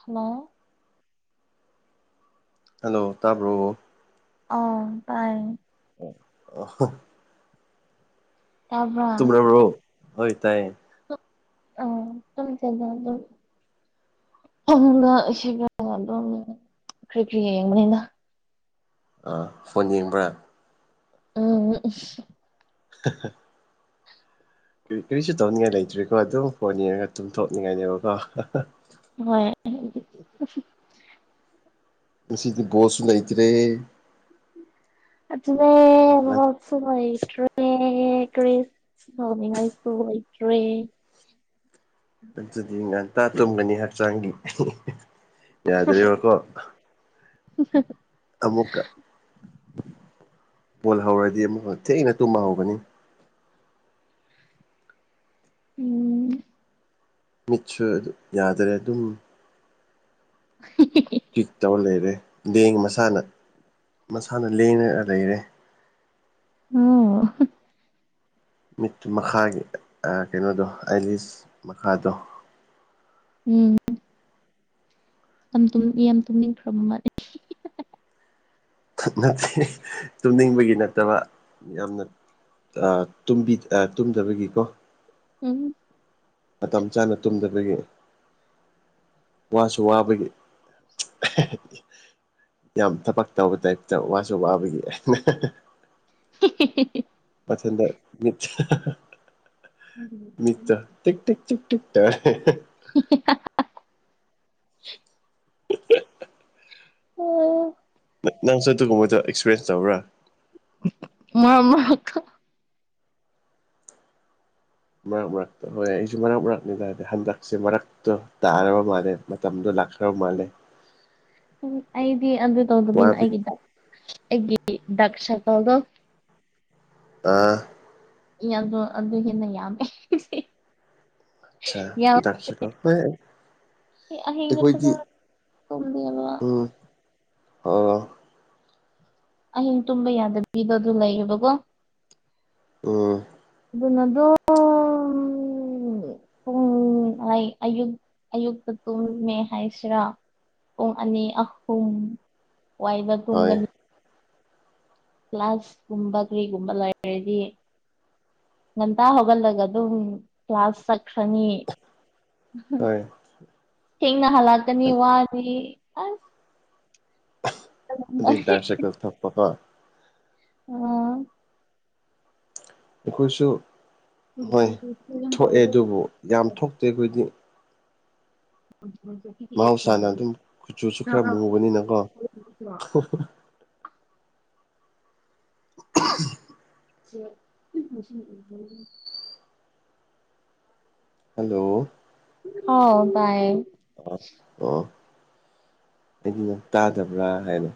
hello hello ꯇꯥꯕ꯭ꯔꯣ ꯑꯣ ꯄꯥꯏ ꯑꯣ ꯑꯣ ꯇꯥꯕ꯭ꯔꯥ ꯇꯨꯝ꯭ꯔꯕ꯭ꯔꯣ ꯑꯣꯏꯣꯏ ꯇꯥꯏꯌꯦ ꯑ ꯇꯝ ꯆ ꯑꯗꯨ ꯑꯩꯉꯣꯟꯗ ꯏ ꯑꯗꯨꯝ ꯀꯔꯤ ꯀꯔꯤ ꯌꯦꯡꯕꯅꯤꯅ ꯑꯥ ꯐꯣꯟ ꯌꯦꯡꯕ꯭ꯔꯥ ꯎꯝ ꯎ ꯍ ꯀ ꯀꯔꯤꯁꯨ ꯇꯧꯅꯤꯡꯉꯥꯏ ꯂꯩꯇ꯭ꯔꯤꯀꯣ ꯑꯗꯨꯝ ꯐꯣꯟ ꯌꯦꯡꯉꯒ ꯇꯨꯝꯊꯣꯛꯅꯤꯡꯉꯥꯏꯅꯦꯕꯀꯣ ꯍ ꯃꯁꯤꯗꯤ ꯣꯁꯅꯥꯏꯇꯔꯦ ꯑꯗꯨꯅꯦ ꯁꯍꯩꯇ꯭꯭ꯔꯦ ꯀ꯭ꯔꯦꯁ ꯅꯃꯤ ꯉꯥꯏꯁꯨꯍꯩꯇ꯭꯭ꯔꯦ ꯑꯗꯨꯗꯤ ꯉꯥꯛꯇ ꯇꯨꯝꯒꯅꯤ ꯍꯛꯆꯥꯡꯒꯤ ꯌꯥꯗ꯭ꯔꯦꯔꯤꯕꯀꯣ ꯎ ꯑꯃꯨꯛꯀ ꯕꯣꯜ ꯍꯧꯔꯗꯤ ꯑꯃꯨꯛꯀ ꯊꯦꯡꯅ ꯇꯨꯝꯕ ꯍꯧꯒꯅꯤ ꯎꯝ ꯃꯤꯠꯁꯨ ꯑꯗꯨ ꯌꯥꯗꯔꯦ ꯑꯗꯨꯝ ꯎ ꯀꯤꯛ ꯇꯧꯔ ꯂꯩꯔꯦ ꯂꯦꯡꯉ ꯃꯁꯥꯅ ꯃꯁꯥꯅ ꯂꯦꯡꯉ ꯂꯩꯔꯦ ꯑꯣ ꯃꯤꯠ ꯃꯈꯥꯒꯤ ꯀꯩꯅꯣꯗꯣ ꯑꯥꯏꯂꯤꯁ ꯃꯈꯥꯗꯣ ꯎꯝ ꯌꯥꯝ ꯌꯥꯝ ꯇꯨꯝꯅꯤꯡꯈ꯭ꯔꯕ ꯃꯥꯦ ꯅꯠꯇꯦ ꯇꯨꯝꯅꯤꯡꯕꯒꯤ ꯅꯠꯇꯕ ꯌꯥꯝꯅ ꯇꯨꯝꯗꯕꯒꯤꯀꯣ ꯎꯝ ꯃꯇꯝ ꯆꯥꯅ ꯇꯨꯝꯗꯕꯒꯤ ꯋꯥꯁꯨ ꯋꯥꯕꯒꯤ ꯌꯥꯝ ꯊꯕꯛ ꯇꯧꯕ ꯇꯥꯏꯞꯇ ꯋꯥꯁꯨ ꯋꯥꯕꯒꯤ ꯑꯩꯅ [unintelligible] ꯃꯊꯟꯗ ꯃꯤꯠꯇ ꯃꯤ ꯇ ꯇ ꯇꯔ [unintelligible] ꯑꯣ ꯅꯪꯁꯨ ꯑꯗꯨꯒꯨꯝꯕꯗꯣ ꯑꯦꯛꯁꯄꯤꯔꯦꯟꯁ ꯇꯧꯕꯔꯥ ꯃꯥꯃ ꯃꯔꯛ ꯃꯔꯛꯇ ꯍꯣꯏ ꯌꯥꯏ ꯑꯩꯁꯨ ꯃꯔꯛ ꯃꯔꯛꯅꯤ ꯇꯗꯤ ꯍꯟꯗꯛꯁꯦ ꯃꯔꯛꯇ ꯇꯥꯔꯕ ꯃꯥꯜꯂꯦ ꯃ ꯃꯇꯝꯗꯨ ꯂꯈ ꯎꯝ ꯎꯝ ꯑꯩꯗꯤ ꯑꯗꯨ ꯇꯧ ꯑꯗꯨꯃꯤꯅ ꯋꯥꯕꯤ ꯑꯩꯒꯤꯗ ꯑꯩꯒꯤ ꯗꯁ ꯀꯥꯎ ꯑꯗꯨ ꯑꯥ ꯑꯗꯨ ꯍꯦꯟꯅ ꯌꯥꯝꯃꯦ ꯑꯆꯥ ꯗꯥꯛꯁꯤ ꯀ ꯑꯍꯤꯡꯗ ꯐꯖꯅ ꯇꯨꯝꯗꯕ ꯎꯝ ꯑꯣ ꯑꯍꯤꯡ ꯇꯨꯝꯕ ꯌꯥꯗꯕꯤꯗꯣ ꯑꯗꯨ ꯂꯩꯌꯦꯕꯀꯣ ꯎꯝ ꯑꯗꯨ ꯅ ꯑꯗꯨꯝ ꯄꯨꯡ ꯑꯩ ꯑꯌꯨꯛ ꯑꯌꯨꯛꯇ ꯇꯨꯝꯃꯦ ꯍꯥꯏꯁꯤꯔꯥ ꯄꯨꯡ ꯑꯅꯤ ꯑꯍꯨꯝ ꯋꯥꯏꯗ ꯍꯣꯏ ꯇꯨꯝꯒꯅꯤ ꯀ꯭ꯂꯥꯁ ꯀꯨꯝꯕ ꯀꯔꯤꯒꯨꯝꯕ ꯂꯩꯔꯗꯤ ꯉꯟꯇꯥ ꯍꯧꯒꯠꯂꯒ ꯑꯗꯨꯝ ꯀ꯭ꯂꯥꯁ ꯆꯠꯈ꯭ꯔꯅꯤ ꯍꯣꯏ ꯊꯦꯡꯅ ꯍꯥꯜꯂꯛꯀꯅꯤ ꯋꯥꯅꯤ ꯑꯁ [unintelligible] ꯊꯛꯄꯀꯣ ꯎꯝ ꯑꯩꯈꯣꯏꯁꯨ ꯍꯣꯏ ꯊꯣꯛꯑꯦ ꯑꯗꯨꯕꯨ ꯌꯥꯝ ꯊꯣꯛꯇꯦ ꯑꯩꯈꯣꯏꯗꯤ [unintelligible] ꯃꯍꯧꯁꯥꯅ ꯑꯗꯨꯝ ꯀꯨꯆꯨꯁꯨ ꯈꯔ ꯃꯨꯕꯅꯤꯅꯀꯣ [unintelligible] [unintelligible] ꯍꯜꯂꯣ ꯍꯥꯎ ꯇꯥꯢ ꯑꯣ ꯑꯩꯗꯤ ꯅꯪ ꯇꯥꯗꯕ꯭ꯔꯥ ꯍꯥꯏꯅ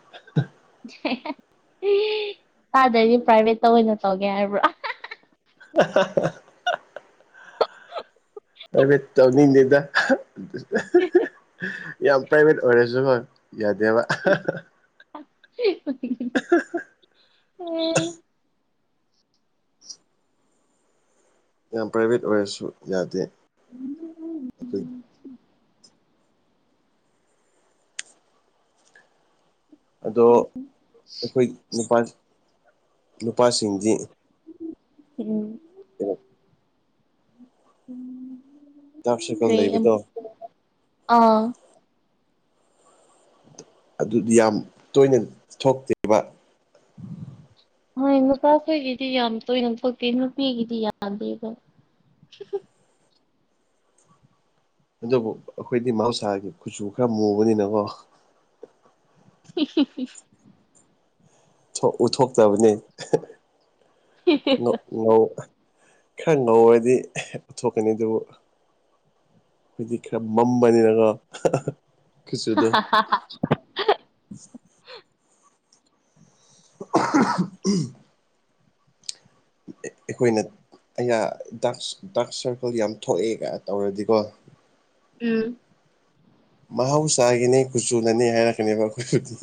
ꯇꯥꯗꯗꯤ ꯄ꯭ꯔꯥꯏꯚꯦꯠꯇ ꯑꯣꯏꯅ ꯇꯧꯒꯦ ꯍꯥꯏꯔꯕ꯭ꯔꯥ [unintelligible] ꯄ꯭ꯔꯥꯏꯕꯦꯠ ꯇꯧꯅꯤꯡꯗꯦꯗ [unintelligible] ꯌꯥꯝ ꯄ꯭ꯔꯥꯏꯚꯦꯠ ꯑꯣꯏꯔꯁꯨ ꯍꯣꯏ ꯌꯥꯗꯦꯕ [unintelligible] ꯌꯥꯝ ꯄ꯭ꯔꯥꯏꯚꯦꯠ ꯑꯣꯏꯔꯁꯨ ꯌꯥꯗꯦ ꯎꯝ ꯑꯗꯣ ꯑꯩꯈꯣꯏ ꯅꯨꯄꯥ ꯅꯨꯄꯥꯁꯤꯡꯗꯤ ꯎꯝ ꯑꯣ ꯗꯥꯔꯛ ꯁꯔꯀꯜ ꯀ꯭ꯔꯤ ꯑꯃꯨꯛ ꯂꯩꯕꯗꯣ ꯑꯥ ꯑꯗꯨꯗꯤ ꯌꯥꯝ ꯇꯣꯏꯅ ꯊꯣꯛꯇꯦ ꯍꯣꯏ ꯅꯨꯄꯥꯈꯣꯏꯒꯤꯗꯤ ꯌꯥꯝ ꯇꯣꯏꯅ ꯊꯣꯛꯇꯦ ꯅꯨꯄꯤꯒꯤꯗꯤ ꯌꯥꯗꯦꯕ ꯑꯗꯨꯕꯨ ꯑꯩꯈꯣꯏꯗꯤ ꯃꯍꯧꯁꯥꯒꯤ ꯈꯨꯆꯨ ꯈꯔ ꯃꯨꯕꯅꯤꯅꯀꯣ [unintelligible] ꯎꯠꯊꯣꯛꯇꯕꯅꯤ ꯉꯧ ꯈꯔ ꯉꯧꯔꯗꯤ ꯊꯣꯛꯀꯅꯤ ꯑꯗꯨꯕꯨ ꯈꯣꯏꯗꯤ ꯈꯔ ꯃꯝꯕꯅꯤꯅꯒꯣ ꯍꯥ ꯍꯥ ꯍꯥ ꯍꯥ [unintelligible] ꯑꯩꯈꯣꯏꯅ ꯑꯩꯅ ꯗ ꯗꯥꯛ ꯁꯔꯀꯜ ꯌꯥꯝ ꯊꯣꯛꯑꯦꯒ ꯇꯧꯔꯗꯤꯀꯣ ꯎꯝ ꯃꯍꯧꯁꯥꯒꯤꯅꯦ ꯀꯨꯆꯨꯅꯅꯤ ꯍꯥꯏꯔꯛꯀꯅꯦꯕ ꯑꯩꯈꯣꯏꯆꯨ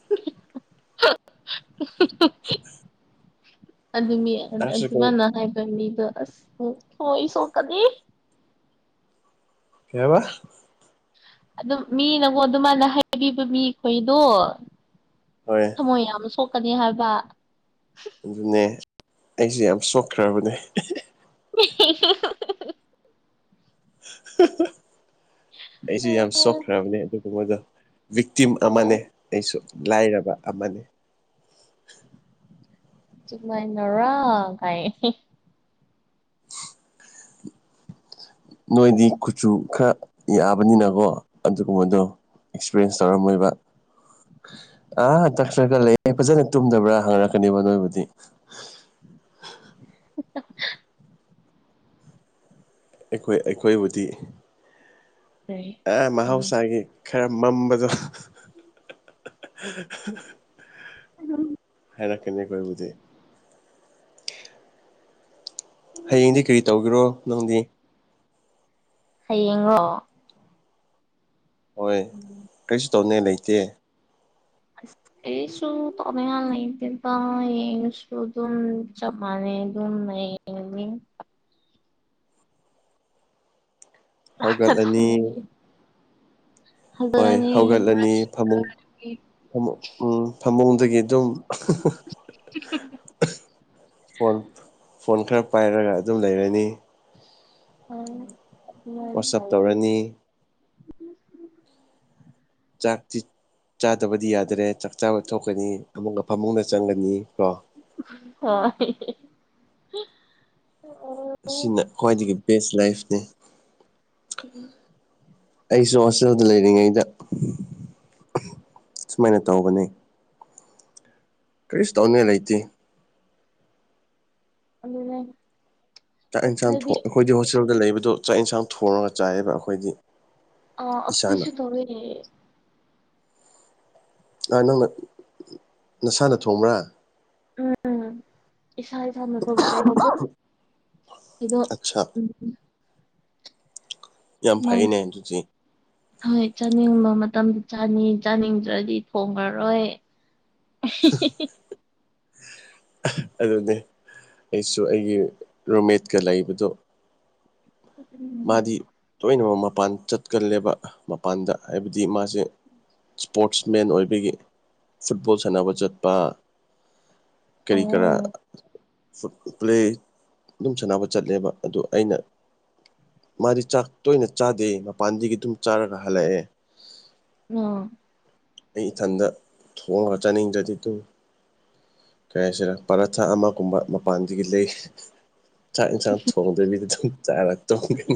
[unintelligible] [inaudible] ꯑꯗꯨ ꯗꯥꯛ ꯁꯔꯀꯜ ꯑꯗꯨꯃꯥꯢꯅ ꯍꯥꯏꯕ ꯃꯤꯗꯣ ꯑꯁ ꯍꯣꯏ ꯁꯣꯛꯀꯅꯤ ꯀꯩꯑꯕ ꯑꯗꯨꯝ ꯃꯤꯅꯀꯣ ꯑꯗꯨꯃꯥꯏꯅ ꯍꯥꯏꯕꯤꯕ ꯃꯤꯈꯣꯏꯗꯣ ꯍꯣꯏ ꯊꯃꯣꯏ ꯌꯥꯝ ꯁꯣꯛꯀꯅꯤ ꯍꯥꯏꯕ ꯑꯗꯨꯅꯦ ꯑꯩꯁꯦ ꯌꯥꯝ ꯁꯣꯛꯈ꯭ꯔꯕꯅꯦ [unintelligible] [unintelligible] ꯑꯩꯁꯨ ꯌꯥꯝ ꯁꯣꯛꯈ꯭ꯔꯕꯅꯦ ꯑꯗꯨꯒꯨꯝꯕꯗꯣ ꯕꯤꯛꯇꯤꯝ ꯑꯣ ꯑꯃꯅꯦ ꯑꯩꯁꯨ ꯂꯥꯏꯔꯕ ꯑꯃꯅꯦ ꯆꯨꯃꯥꯏꯅꯔ ꯀꯥꯏ ꯅꯣꯏꯗꯤ ꯀꯨꯆꯨ ꯈꯔ ꯌꯥꯕꯅꯤꯅꯀꯣ ꯑꯗꯨꯒꯨꯝꯕꯗꯣ ꯑꯦꯛꯁꯄꯤꯔꯦꯟꯁ ꯇꯧꯔꯝꯃꯣꯏꯕ ꯑꯥ ꯇꯛꯆꯔꯒ ꯂꯩ ꯐꯖꯅ ꯇꯨꯝꯗꯕ꯭ꯔꯥ ꯍꯪꯅꯔꯛꯀꯅꯦꯕ ꯅꯣꯏꯕꯨꯗꯤ [unintelligible] ꯑꯩꯈꯣꯏ ꯑꯩꯈꯣꯏꯕꯨꯗꯤ ꯑꯥ ꯃꯍꯧꯁꯥꯒꯤ ꯈꯔ ꯃꯝꯕꯗꯣ [unintelligible] [unintelligible] ꯍꯩꯔꯛꯀꯅꯤ ꯑꯈꯣꯏꯕꯨꯗꯤ ꯍꯌꯦꯡꯗꯤ ꯀꯔꯤ ꯇꯧꯒꯔꯣ ꯅꯪꯗꯤ ꯍꯌꯦꯡꯉꯣ ꯍꯣꯏ ꯀꯩꯁꯨ ꯇꯧꯅꯤ ꯂꯩꯇꯦ ꯀꯔꯤꯁꯨ ꯇꯧꯅꯤꯉꯥꯏ ꯂꯩꯇꯦꯗ ꯍꯌꯦꯡꯁꯨ ꯑꯗꯨꯝ ꯆꯞ ꯃꯥꯅꯩ ꯑꯗꯨꯝ ꯅꯩ ꯂꯩꯅꯤ ꯍꯧꯒꯠꯂꯅꯤ ꯍꯣꯏ ꯐꯖꯔꯅꯤ ꯍꯧꯒꯠꯂꯅꯤ ꯐꯃꯨꯡ ꯎꯝ ꯐꯃꯨꯡꯗꯒꯤ ꯑꯗꯨꯝ [unintelligible] ꯐꯣꯟ ꯐꯣꯟ ꯈꯔ ꯄꯥꯏꯔꯒ ꯑꯗꯨꯝ ꯂꯩꯔꯅꯤ ꯎꯝ ꯋꯥꯆꯞ ꯇꯧꯔꯅꯤ ꯆꯥꯛꯇꯤ ꯆꯥꯗꯕꯗꯤ ꯌꯥꯗ꯭ꯔꯦ ꯆꯥꯛ ꯆꯥꯕ ꯊꯣꯛꯀꯅꯤ ꯑꯃꯨꯛ ꯀꯥ ꯐꯃꯨꯡꯗ ꯆꯪꯒꯅꯤ ꯀꯣ ꯍꯣꯏ ꯑꯁꯤꯅ ꯈ꯭ꯋꯥꯏꯗꯒꯤ ꯕꯦꯁ ꯂꯥꯏꯐꯅꯤ ꯎꯝ ꯑꯩꯖꯨ ꯍꯣꯁꯇꯦꯜꯗ ꯂꯩꯔꯤꯉꯩꯗ ꯁꯨꯃꯥꯏꯅ ꯇꯧꯕꯅꯦ ꯀ꯭ꯔꯤꯁꯨ ꯇꯧꯅꯤꯉꯥꯏ ꯂꯩꯇꯦ ꯑꯗꯨꯅꯦ ꯆꯥꯛ ꯌꯦꯟꯁꯥꯡ ꯉꯁꯥꯏꯗꯤ ꯑꯩꯈꯣꯏꯗꯤ ꯍꯣꯁꯇꯦꯜꯗ ꯂꯩꯕꯗꯣ ꯆꯥꯛ ꯌꯦꯟꯁꯥꯡ ꯊꯣꯡꯉꯒ ꯆꯥꯏꯌꯦꯕ ꯑꯩꯈꯣꯏꯗꯤ ꯑꯣ ꯏꯁꯥꯅ ꯑꯩꯈꯣꯏꯁꯨ ꯇꯋꯦꯅꯦ ꯑꯥ ꯅꯪꯅ ꯅꯁꯥꯅ ꯊꯣꯡꯕ꯭ꯔꯥ ꯎꯝ ꯏꯁꯥ ꯏꯁꯥꯅ ꯊꯣꯡꯖꯩꯕꯀꯣ ꯑꯗꯣ ꯑꯠꯆꯥ ꯌꯥꯝ ꯃꯥꯅ ꯐꯩꯅꯦ ꯑꯗꯨꯗꯤ ꯍꯣꯏ ꯆꯥꯅꯤꯡꯕ ꯃꯇꯝꯗ ꯆꯥꯅꯤ ꯆꯥꯅꯤꯡꯗ꯭ꯔꯗꯤ ꯊꯣꯡꯉꯥꯔꯣꯏ [unintelligible] ꯑꯗꯨꯅꯦ ꯑꯩꯁꯨ ꯑꯩꯒꯤ ꯔꯣꯃꯦꯠꯀ ꯂꯩꯕꯗꯣ ꯎꯝ ꯎꯝ ꯃꯥꯗꯤ ꯇꯣꯏꯅꯃꯛ ꯃꯄꯥꯟ ꯆꯠꯀꯜꯂꯦꯕ ꯃꯄꯥꯟꯗ ꯍꯥꯏꯕꯗꯤ ꯃꯥꯁꯦ ꯏꯁꯄꯣꯔꯠꯁ ꯃꯦꯟ ꯑꯣꯏꯕꯒꯤ ꯐꯨꯠꯕꯣꯜ ꯁꯥꯟꯅꯕ ꯆꯠꯄ ꯀꯔꯤ ꯑꯣ ꯀꯔꯥ ꯐꯨꯠ ꯄ꯭ꯂꯦ ꯑꯗꯨꯝ ꯁꯥꯟꯅꯕ ꯆꯠꯂꯦꯕ ꯑꯗꯣ ꯑꯩꯅ ꯃꯥꯗꯤ ꯆꯥꯛ ꯇꯣꯏꯅ ꯆꯥꯗꯦ ꯃꯄꯥꯟꯗꯒꯤ ꯑꯗꯨꯝ ꯆꯥꯔꯒ ꯍꯜꯂꯛꯑꯦ ꯑꯥ ꯑꯩ ꯏꯊꯟꯗ ꯊꯣꯛꯑꯒ ꯆꯥꯅꯤꯡꯗꯔꯗꯤ ꯇꯨꯝ ꯀꯩ ꯍꯥꯏꯁꯤꯔ ꯄꯔꯊꯥ ꯑꯃꯒꯨꯝꯕ ꯃꯄꯥꯟꯗꯒꯤ ꯂꯩ ꯆꯥꯛ ꯌꯦꯟꯁꯥꯡ ꯊꯣꯡꯗꯕꯤꯗꯤ ꯑꯗꯨꯝ ꯆꯥꯔ ꯇꯣꯝꯒꯅꯤ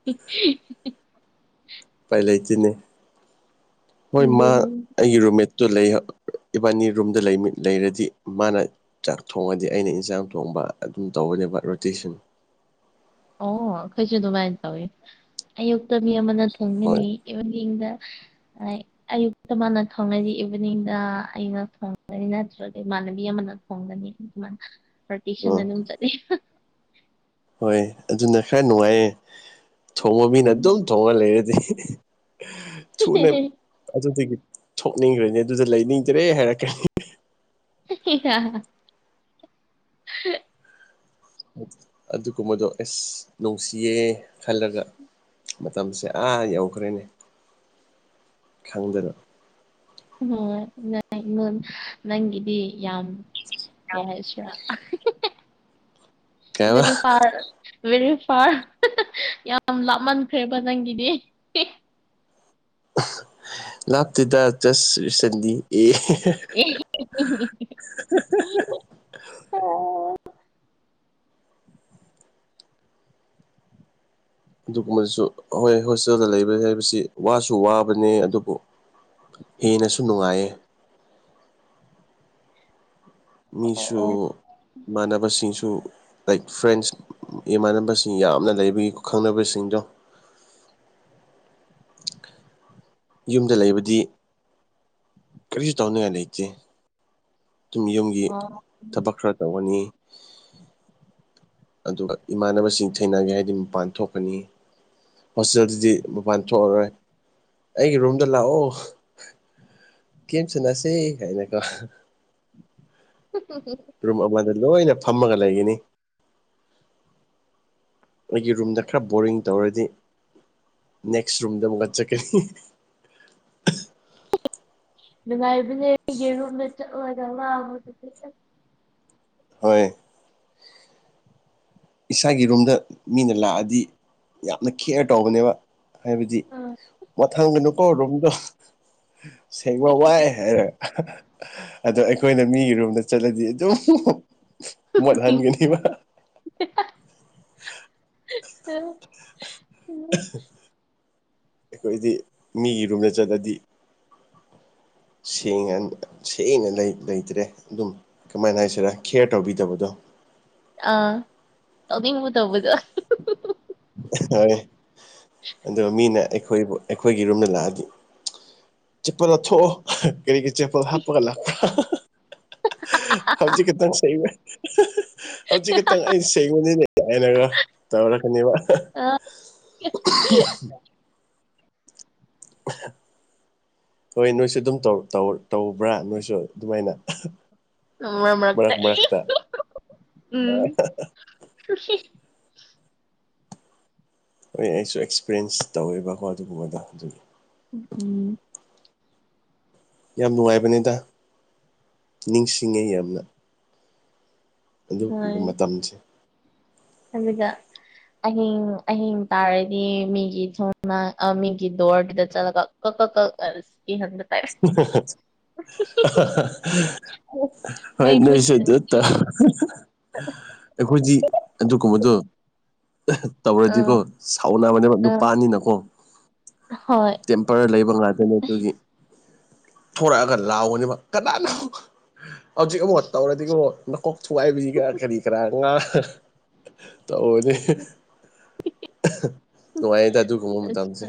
[unintelligible] ꯎꯄꯥꯏ ꯂꯩꯇꯅꯦ ꯍꯣꯏ ꯃꯥ ꯑꯗꯨꯅꯦ ꯑꯩꯒꯤ ꯔꯨꯝꯃꯦꯠ ꯇꯣ [unintelligible] ꯏꯕꯥꯅꯤ ꯔꯨꯝꯗ ꯂꯩꯔꯗꯤ ꯃꯥꯅ ꯆꯥꯛ ꯊꯣꯡꯉꯗꯤ ꯑꯩꯅ ꯏꯟꯁꯥꯡ ꯊꯣꯡꯕ ꯑꯗꯨꯝ ꯇꯧꯕꯅꯦꯕ ꯔꯣꯇꯦꯁꯟ ꯑꯣ ꯑꯩꯈꯣꯏꯁꯨ ꯑꯗꯨꯃꯥꯏꯅ ꯇꯧꯋꯤ ꯑꯌꯨꯛꯇ ꯃꯤ ꯑꯃꯅ ꯍꯣꯏ ꯊꯣꯡꯒꯅꯤ ꯏꯚꯅꯤꯡꯗ ꯑꯩ ꯑꯌꯨꯛꯇ ꯃꯥꯅ ꯊꯣꯡꯅꯗꯤ ꯏꯚꯤꯅꯤꯡꯗ ꯑꯩꯅ ꯊꯣꯡꯂꯅꯤ ꯅꯠꯇ꯭ꯔꯒ ꯏꯃꯥꯟꯅꯕꯤ ꯑꯃꯅ ꯊꯣꯡꯒꯅꯤ ꯗꯨꯃ ꯔꯣꯇꯦꯁꯟ ꯑꯥ ꯑꯗꯨꯝ ꯆꯠꯂꯤ [unintelligible] ꯍꯣꯏ ꯑꯗꯨꯅ ꯈꯔ ꯅꯨꯡꯉꯥꯏꯌꯦ ꯊꯣꯡꯕ ꯃꯤꯅ ꯑꯗꯨꯝ ꯎꯝ ꯊꯣꯡꯉ ꯂꯩꯔꯗꯤ ꯊꯨꯅ ꯑꯗꯨꯗꯒꯤ ꯊꯣꯛꯅꯤꯡꯒ꯭ꯔꯅꯦ ꯑꯗꯨꯗ ꯂꯩꯅꯤꯡꯗ꯭ꯔꯦ ꯍꯥꯏꯔꯛꯀꯅꯤ [unintelligible] ꯎ ꯑꯗꯨꯒꯨꯝꯕꯗꯣ ꯑꯦꯁ ꯅꯨꯡꯁꯤꯌꯦ ꯈꯜꯂꯒ ꯃꯇꯝꯁꯦ ꯑꯥ ꯌꯧꯈ꯭ꯔꯦꯅꯦ ꯈꯪꯗꯅ ꯎ ꯅ ꯏꯣ ꯅꯪꯒꯤꯗꯤ ꯌꯥꯝ [unintelligible] ꯀꯩ ꯍꯥꯏꯕ ꯚꯦꯔꯤ ꯐꯥꯔ ꯌꯥꯝ ꯂꯥꯞꯃꯟꯈ꯭ꯔꯦꯕ ꯅꯪꯒꯤꯗꯤ [unintelligible] ꯂꯥꯞꯇꯦꯗ ꯖꯁ ꯔꯤꯁꯦꯟꯗꯤ ꯑꯦ ꯍꯦꯍꯦ [unintelligible] [unintelligible] [unintelligible] ꯑꯗꯨꯒꯨꯝꯕꯁꯨ ꯍꯣꯏ ꯍꯣꯁꯇꯦꯜꯗ ꯂꯩꯕ ꯍꯥꯏꯕꯁꯤ ꯋꯥꯁꯨ ꯋꯥꯕꯅꯦ ꯑꯗꯨꯕꯨ ꯍꯦꯟꯅꯁꯨ ꯅꯨꯡꯉꯥꯏꯌꯦ ꯃꯤꯁꯨ ꯑꯣ ꯏꯃꯥꯟꯅꯕꯁꯤꯡꯁꯨ ꯂꯥꯏꯛ ꯐ꯭ꯔꯦꯟꯁ ꯏꯃꯥꯟꯅꯕꯁꯤꯡ ꯌꯥꯝꯅ ꯂꯩꯕꯒꯤ ꯈꯪꯅꯕꯁꯤꯡꯗꯣ ꯌꯨꯝꯗ ꯂꯩꯕꯗꯤ ꯀꯔꯤꯁꯨ ꯇꯧꯅꯤꯡꯉꯥꯏ ꯂꯩꯇꯦ ꯑꯗꯨꯨꯝ ꯌꯨꯝꯒꯤ ꯑꯣ ꯊꯕꯛ ꯈꯔ ꯇꯧꯒꯅꯤ ꯑꯗꯨꯒ ꯏꯃꯥꯟꯅꯕꯁꯤꯡ ꯊꯦꯡꯅꯒꯦ ꯍꯥꯏꯗꯤ ꯃꯄꯥꯟ ꯊꯣꯛꯀꯅꯤ ꯍꯣꯁꯇꯦꯜꯗꯨꯗꯤ ꯃꯄꯥꯟ ꯊꯣꯛꯑꯔꯣꯏ ꯑꯩꯒꯤ ꯔꯨꯝꯗ ꯂꯥꯛꯑꯣ ꯀꯦꯝ ꯁꯅꯥꯁꯦ ꯍꯥꯏꯅ ꯀꯣ [unintelligible] ꯔꯨꯝ ꯑꯃꯗ ꯂꯣꯏꯅ ꯐꯝꯃꯒ ꯂꯩꯒꯅꯤ ꯑꯩꯒꯤ ꯔꯨꯝꯗ ꯈꯔ ꯕꯣꯔꯤꯡ ꯇꯧꯔꯗꯤ ꯅꯦꯛꯁ ꯔꯨꯝꯗ ꯑꯃꯨꯛꯀ ꯆꯠꯀꯅꯤ [unintelligible] ꯅꯨꯡꯉꯥꯏꯕꯅꯦ ꯑꯩꯒꯤ ꯔꯨꯝꯗ ꯆꯠꯂꯒ ꯂꯪꯕꯁꯨ ꯈꯤꯇꯪ ꯍꯣꯏ ꯏꯁꯥꯒꯤ ꯔꯨꯝꯗ ꯃꯤꯅ ꯂꯥꯛꯑꯗꯤ ꯌꯥꯝꯅ ꯈꯦꯌꯔ ꯇꯧꯕꯅꯦꯕ ꯍꯥꯏꯕꯗꯤ ꯑꯁ ꯃꯊꯪꯒꯅꯨꯀꯣ ꯔꯨꯝꯗꯣ ꯁꯦꯡꯕ ꯋꯥꯏ ꯍꯥꯏꯔ ꯑꯍꯍ ꯑꯗꯣ ꯑꯩꯈꯣꯏꯅ ꯃꯤꯒꯤ ꯔꯨꯝꯝꯗ ꯆꯠꯂꯗꯤ ꯑꯗꯨꯝ ꯎꯝ ꯃꯣꯠꯍꯟꯒꯅꯤꯕ [unintelligible] [unintelligible] ꯑꯩꯈꯣꯏꯗꯤ ꯃꯤꯒꯤ ꯔꯨꯝꯗ ꯆꯠꯂꯗꯤ ꯁꯦꯡꯅ ꯁꯦꯡꯅ ꯂꯩꯇ꯭ꯔꯦ ꯑꯗꯨꯝ ꯀꯃꯥꯏꯅ ꯍꯥꯏꯁꯤꯔꯥ ꯀꯦꯌꯔ ꯇꯧꯕꯤꯗꯕꯗꯣ ꯑ ꯇꯧꯅꯤꯡꯕ ꯇꯧꯕꯗ ꯍꯣꯏ ꯑꯗꯨ ꯃꯤꯅ ꯑꯩꯈꯣꯏꯕꯨ ꯑꯩꯈꯣꯏꯒꯤ ꯔꯨꯝꯗ ꯂꯥꯛꯑꯗꯤ ꯆꯤꯛꯄꯜ ꯂꯧꯊꯣꯛꯑꯣ ꯀꯔꯤꯒꯤ ꯆꯦꯄꯜ ꯍꯞꯄꯒ ꯂꯥꯛꯄꯔ ꯍꯥꯍꯥꯍ ꯍꯧꯖꯤꯛ ꯈꯤꯇꯪ ꯁꯩꯕ ꯍꯧꯖꯤꯛ ꯈꯤꯇꯪ ꯑꯩꯅ ꯆꯩꯕꯅꯤꯅꯦ ꯍꯥꯏꯅꯒ ꯇꯧꯔꯛꯀꯅꯦꯕ ꯑ [unintelligible] ꯍꯣꯏ ꯅꯣꯏꯁꯨ ꯑꯗꯨꯝ ꯇꯧ ꯇꯧꯕ꯭ꯔꯥ ꯅꯣꯏꯁꯨ ꯑꯗꯨꯃꯥꯏꯅ ꯎꯝ ꯃꯔꯛ ꯃꯔꯛꯇ ꯑꯦꯍꯤꯑ ꯎꯝ ꯍꯨꯝꯍꯤ ꯍꯣꯏ ꯑꯩꯁꯨ ꯑꯦꯛꯁꯄꯔꯌꯦꯟꯁ ꯇꯧꯋꯦꯕꯀꯣ ꯑꯗꯨꯒꯨꯝꯕꯗꯣ ꯑꯗꯨꯒꯤ ꯍꯨꯎꯝ ꯌꯥꯝ ꯅꯨꯡꯉꯥꯏꯕꯅꯦꯗ ꯅꯤꯡꯁꯤꯡꯉꯦ ꯌꯥꯝꯅ ꯑꯗꯨꯒꯨꯝꯕ ꯃꯇꯝꯁꯦ ꯑꯗꯨꯗ ꯑꯍꯤꯡ ꯑꯍꯤꯡ ꯇꯥꯔꯗꯤ ꯃꯤꯒꯤ ꯁꯣꯝꯅ ꯃꯤꯒꯤ ꯗꯣꯔꯗꯨꯗ ꯆꯠꯂꯒ ꯇꯤ ꯍꯟ꯭ꯔꯦꯠ [unintelligible] ꯍꯣꯏ ꯃꯩ ꯃꯨꯠꯈ꯭ꯔꯅꯤ ꯅꯁꯗꯠꯇ ꯑꯩꯈꯣꯏꯗꯤ ꯑꯗꯨꯒꯨꯝꯕꯗꯣ ꯇꯧꯔꯗꯤꯀꯣ ꯑꯥ ꯁꯥꯎꯅꯕꯅꯦ ꯑꯥ ꯅꯨꯄꯥꯅꯤꯅꯀꯣ ꯍꯣꯏ ꯄꯔ ꯂꯩꯕ ꯉꯥꯛꯇꯣꯏꯅꯤ ꯑꯗꯨꯒꯤ ꯊꯣꯔꯛꯑꯒ ꯂꯥꯎꯒꯅꯦꯕ ꯀꯅꯥꯅꯣ ꯍꯧꯖꯤꯛ ꯑꯃꯨꯛ ꯇꯧꯔꯗꯤ ꯑꯃꯨꯣ ꯃꯀꯣꯛ ꯊꯨꯒꯏꯕꯁꯤꯒ ꯀꯔꯤ ꯀꯔꯥ ꯉꯥ ꯇꯧꯅꯦ ꯅꯨꯡꯉꯥꯏꯗ ꯑꯗꯨꯒꯒꯨꯝꯕ ꯃꯇꯝꯁꯦ